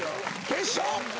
決勝！